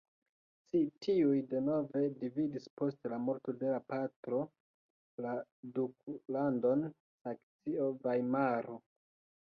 Ci tiuj denove dividis post la morto de la patro la duklandon Saksio-Vajmaro.